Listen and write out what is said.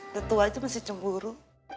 udah tua itu masih cemburu